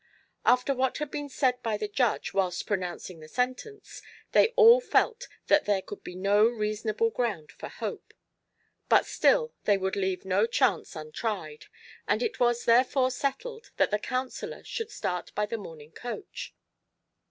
After what had been said by the judge whilst pronouncing the sentence, they all felt that there could be no reasonable ground for hope; but still they would leave no chance untried, and it was therefore settled that the counsellor should start by the morning coach.